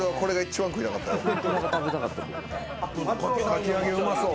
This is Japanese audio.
かき揚げうまそう